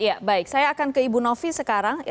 ya baik saya akan ke ibu novi sekarang